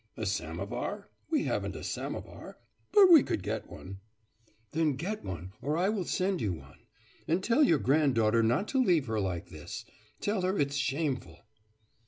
'A samovar? We haven't a samovar, but we could get one.' 'Then get one, or I will send you one. And tell your granddaughter not to leave her like this. Tell her it's shameful.